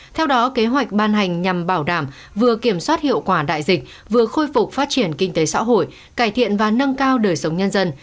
theo đó kế hoạch ban hành nhằm bảo đảm vừa kiểm soát hiệu quả đại dịch vừa khôi phục phát triển kinh tế xã hội cải thiện và nâng cao đời sống nhân dân